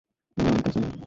এবং আমি তা জানি।